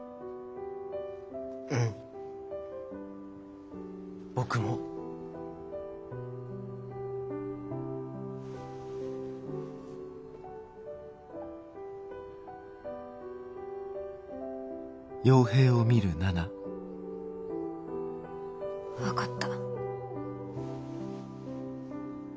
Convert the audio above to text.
うん僕も。分かった。